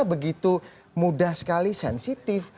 begitu mudah sekali sensitif